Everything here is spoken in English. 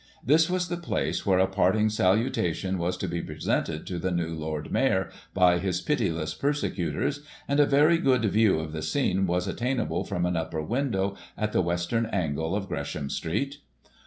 This was the place where a parting salutation was to be presented to the new Lord Mayor, by his pitiless persecutors, and a very good view of the scene was attainable from an upper window at the western angle of Gresham Street.